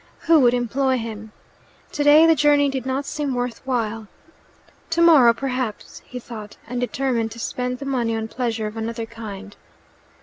Who would employ him? Today the journey did not seem worth while. "Tomorrow, perhaps," he thought, and determined to spend the money on pleasure of another kind.